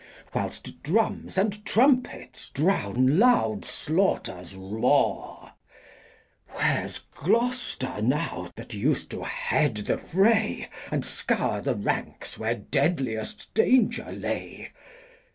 Whilst Drums and Trumpets drown loud Slaughters Roar; Where's Gloster now that us'd to head the Fray, And scour the Ranks where deadliest Danger lay